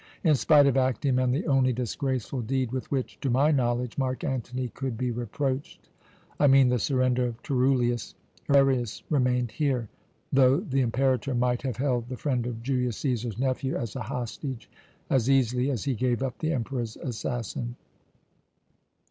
In spite of Actium and the only disgraceful deed with which, to my knowledge, Mark Antony could be reproached I mean the surrender of Turullius Arius remained here, though the Imperator might have held the friend of Julius Cæsar's nephew as a hostage as easily as he gave up the Emperor's assassin.